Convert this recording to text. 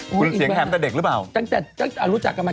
คุณเสียงแห่มแต่เด็กรึเปล่า